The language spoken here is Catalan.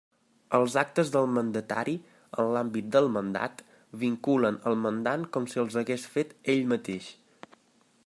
Els actes del mandatari, en l'àmbit del mandat, vinculen el mandant com si els hagués fet ell mateix.